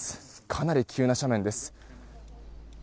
かなり急な斜面です。